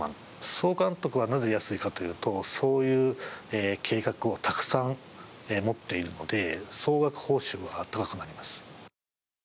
総監督がなぜ安いかというとそういう計画をたくさん持っているので総額報酬が高くなります。